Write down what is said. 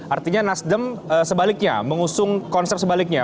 artinya nasdem sebaliknya mengusung konser sebaliknya